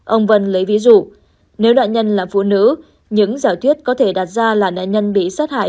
ông vân lấy ví dụ nếu nạn nhân là phụ nữ những giảo thuyết có thể đặt ra là nạn nhân bị sát hại